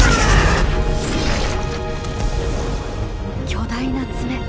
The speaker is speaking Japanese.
巨大な爪。